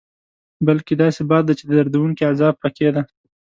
بلکې داسې باد دی چې دردوونکی عذاب پکې دی.